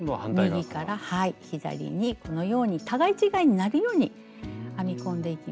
右から左にこのように互い違いになるように編み込んでいきます。